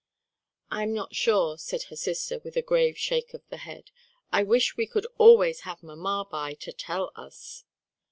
"I'm not sure," said her sister, with a grave shake of the head, "I wish we could always have mamma by to tell us."